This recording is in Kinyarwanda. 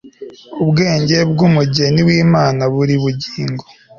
ubwenge bw'umugeni w'imana-buri bugingo